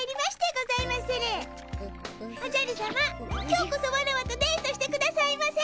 今日こそワラワとデートしてくださいませ。